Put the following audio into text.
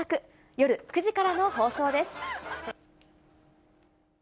夜９時からの放送です。